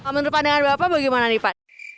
menurut pandangan bapak bagaimana nih pak